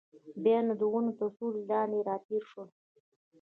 بیا د ونو تر سیوري لاندې راتېر شول.